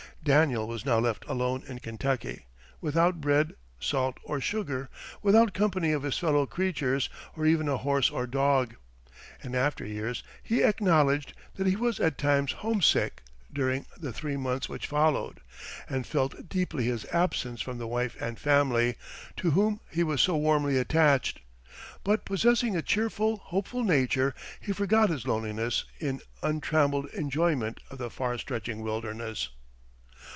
Daniel was now left alone in Kentucky, "without bread, salt, or sugar, without company of his fellow creatures, or even a horse or dog." In after years he acknowledged that he was at times homesick during the three months which followed, and felt deeply his absence from the wife and family to whom he was so warmly attached. But possessing a cheerful, hopeful nature, he forgot his loneliness in untrammeled enjoyment of the far stretching wilderness.